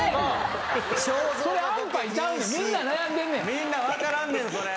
みんな分からんねんそれ。